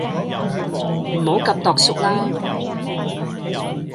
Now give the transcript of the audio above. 唔好咁庹縮啦